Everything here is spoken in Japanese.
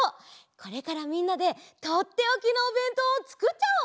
これからみんなでとっておきのおべんとうをつくっちゃおう！